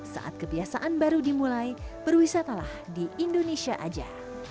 saat kebiasaan baru dimulai berwisatalah di indonesia aja